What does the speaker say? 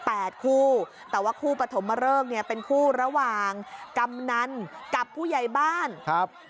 คู่แต่ว่าคู่ปฐมเริกเนี่ยเป็นคู่ระหว่างกำนันกับผู้ใหญ่บ้านครับ